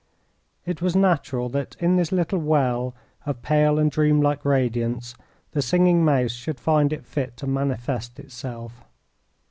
It was natural that in this little well of pale and dreamlike radiance the Singing Mouse should find it fit to manifest itself.